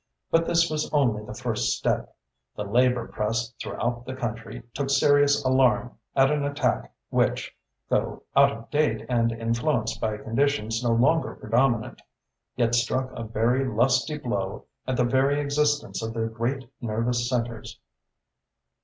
But this was only the first step. The Labour Press throughout the country took serious alarm at an attack which, though out of date and influenced by conditions no longer predominant, yet struck a very lusty blow at the very existence of their great nervous centres.